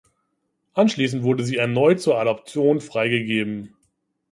Anschließend wurde sie erneut zur Adoption freigegeben.